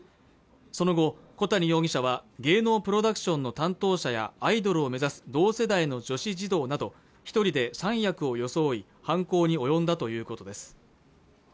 その後小谷容疑者は芸能プロダクションの担当者やアイドルを目指す同世代の女子児童など一人で３役を装い犯行に及んだということです